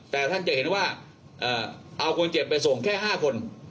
แต่ท่านจะเห็นว่าเอาคนเจ็บไปส่งแค่๕คน